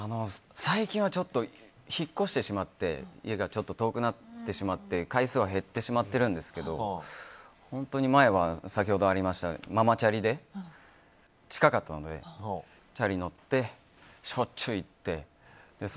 最近は引っ越してしまって家がちょっと遠くなってしまって回数は減ってしまっているんですけど本当に前は先ほどありましたけどママチャリで、近かったのでチャリ乗ってしょっちゅう行って。